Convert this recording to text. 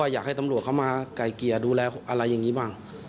อยากให้ทำหลวดมาให้ดูแลอะไรอย่างนี้บ้าง